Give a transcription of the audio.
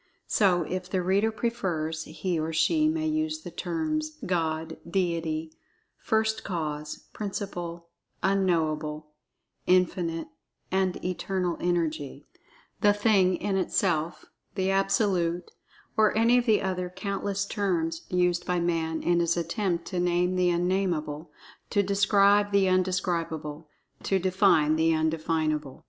So, if the[Pg 19] reader prefers, he, or she, may use the terms: "God"; "Deity"; "First Cause"; "Principle"; "Unknowable"; "Infinite and Eternal Energy"; "The Thing in Itself"; "The Absolute"; or any of the other countless terms used by Man in his attempt to name the Un Nameable—to describe the Un Describable—to define the Un Definable.